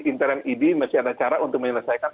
intern id masih ada cara untuk menyelesaikan